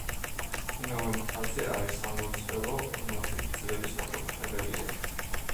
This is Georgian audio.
იმავე მთაზე არის სამლოცველო, რომელშიც ძველი საკურთხეველია.